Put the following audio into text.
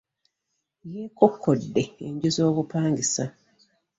Yeekokkode enju zobupangisa.